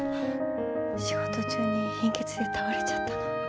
仕事中に貧血で倒れちゃったの。